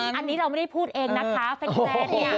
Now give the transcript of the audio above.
อันนี้เราไม่ได้พูดเองนะคะแฟนเนี่ย